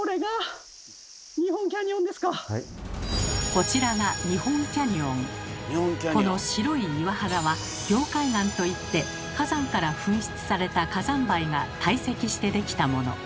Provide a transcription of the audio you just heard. こちらがこの白い岩肌は凝灰岩といって火山から噴出された火山灰が堆積してできたもの。